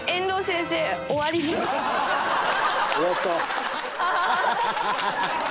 終わった。